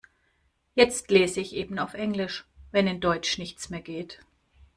Jetzt lese ich eben auf Englisch, wenn in Deutsch nichts mehr geht.